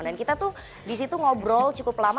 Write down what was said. dan kita tuh di situ ngobrol cukup lama